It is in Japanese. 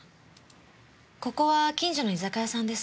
ここは近所の居酒屋さんです。